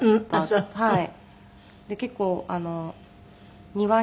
はい。